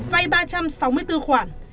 vay ba trăm sáu mươi bốn khoản